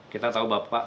kita tahu bapak